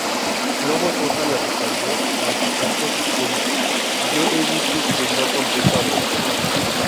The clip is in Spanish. Lobo Sosa le respondió a Santos diciendo: "Yo he dicho que no contesto agresiones".